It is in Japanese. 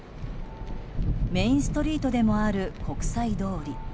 メインストリートでもある国際通り。